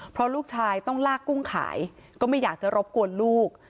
เพราะลูกชายต้องลากกุ้งขายก็ไม่อยากจะรบกวนลูก